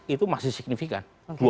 itu masih signifikan